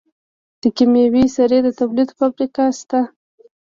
د کیمیاوي سرې د تولید فابریکه شته.